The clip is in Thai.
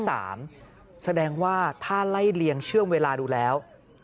แสดงว่าถ้าไล่เลียงช่วงเวลาดูแล้ว